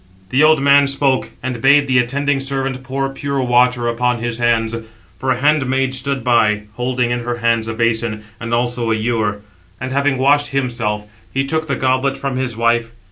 The old man spoke, and bade the attending servant pour pure water upon his hands; for a handmaid stood by, holding in her hands a basin, and also an ewer; and having washed himself, he took the goblet from his wife.